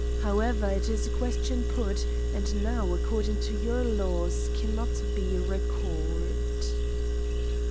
However, it is a question put, and now, according to your laws, cannot be recalled."